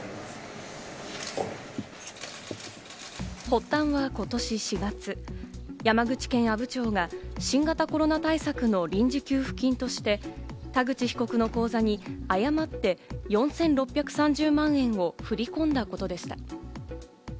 発端は今年４月、山口県阿武町が新型コロナ対策の臨時給付金として、田口被告の口座に誤って４６３０万円を振り込んだことでした。